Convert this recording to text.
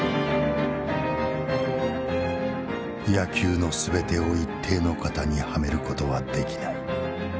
「野球の総てを一定の型にはめる事は出来ない」。